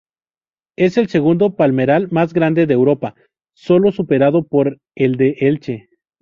Es el segundo palmeral más grande de Europa, solo superado por el de Elche.